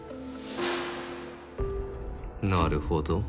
なるほど。